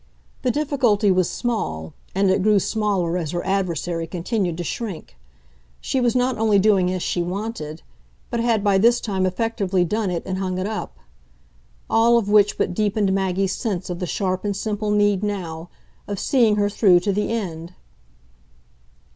The difficulty was small, and it grew smaller as her adversary continued to shrink; she was not only doing as she wanted, but had by this time effectively done it and hung it up. All of which but deepened Maggie's sense of the sharp and simple need, now, of seeing her through to the end.